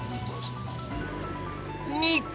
２個。